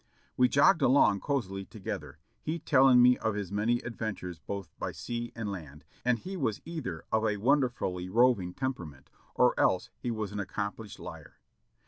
We jogged along cosily together, he telling me of his many adventures both by sea and land, and he was either of a won derfully roving temperament or else he was an accomplished liar.